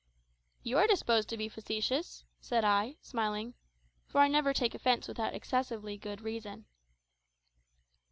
"You are disposed to be facetious," said I, smiling (for I never take offence without excessively good reason).